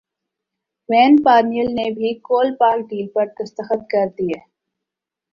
when Parnell نے بھی Kolpak deal پر دستخط کردیے